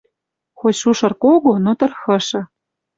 Хоть шушыр кого, но тырхышы.